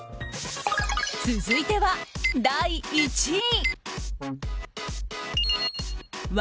続いては第１位。